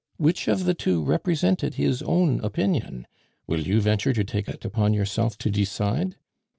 Which of the two represented his own opinion? will you venture to take it upon yourself to decide?